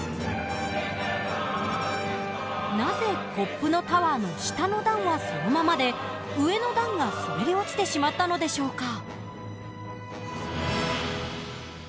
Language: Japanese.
なぜコップのタワーの下の段はそのままで上の段が滑り落ちてしまったのでしょうか？